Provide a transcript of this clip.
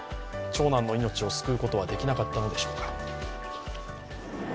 長男の命を救うことはできなかったのでしょうか。